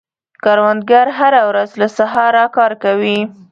کروندګر هره ورځ له سهاره کار کوي